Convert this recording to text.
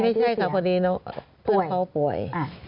ไม่ใช่ค่ะพอดีเพื่อนเขาป่วย